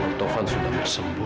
katovan sudah sembuh